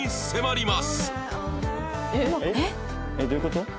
えっどういう事？